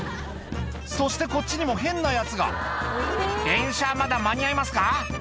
そしてこっちにも変なヤツが「電車まだ間に合いますか？」